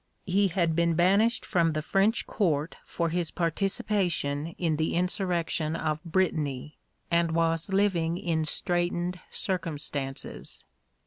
He had been banished from the French Court for his participation in the insurrection of Brittany, and was living in straitened circumstances.